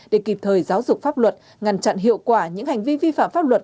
để kịp thời giáo dục pháp luật ngăn chặn hiệu quả những hành vi vi phạm pháp luật